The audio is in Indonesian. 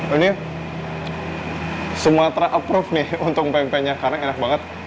ini sumatera approve nih untung pempeknya karena enak banget